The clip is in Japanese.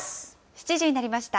７時になりました。